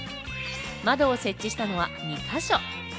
窓を設置したのは２か所。